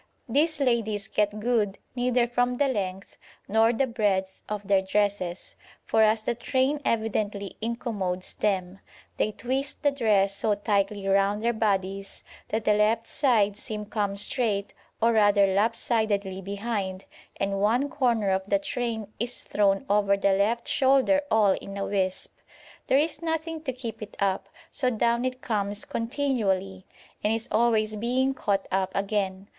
These ladies get good neither from the length nor the breadth of their dresses, for as the train evidently incommodes them, they twist the dress so tightly round their bodies that the left side seam comes straight or rather lop sidedly behind and one corner of the train is thrown over the left shoulder all in a wisp. There is nothing to keep it up, so down it comes continually, and is always being caught up again.